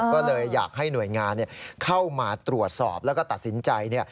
ก็เลยอยากให้หน่วยงานเข้ามาตรวจสอบแล้วก็ตัดสินใจ